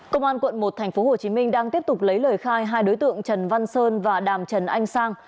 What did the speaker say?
công an quận một tp hcm đang tiếp tục lấy lời khai hai đối tượng trần văn sơn và đàm trần anh sang